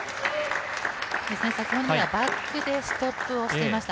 先ほどはバックでストップをしていました。